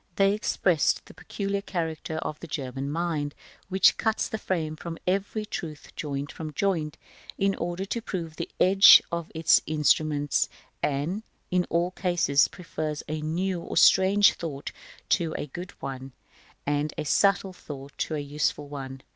They express the peculiar character of the German mind, which cuts the frame of every truth joint from joint, in order to prove the edge of its instruments; and, in all cases, prefers a new or a strange thought to a good one, and a subtle thought to a useful one.